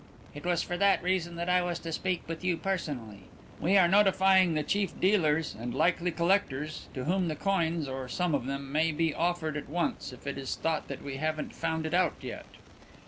"It was for that reason that I was to speak with you personally. We are notifying the chief dealers and likely collectors to whom the coins, or some of them, may be offered at once if it is thought that we haven't found it out yet.